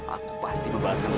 aku pasti membahas kamu